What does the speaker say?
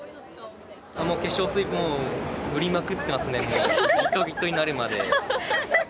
もう化粧水、もう塗りまくってますね、もうびとびとになるまで。